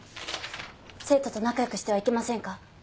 生徒と仲良くしてはいけませんか？